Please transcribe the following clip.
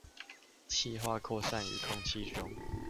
汽化擴散於空氣中